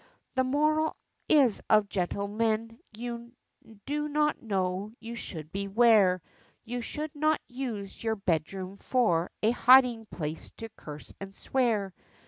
The moral is of gentlemen you do not know, you should beware: You should not use your bedroom, for a hiding place, to curse, and swear.